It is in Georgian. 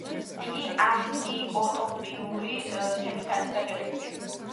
იგი ანტიუტოპიური თემით არის გაჯერებული.